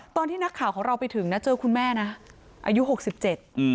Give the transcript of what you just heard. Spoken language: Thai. ตอนที่นักข่าวของเราไปถึงนะเจอคุณแม่นะอายุหกสิบเจ็ดอืม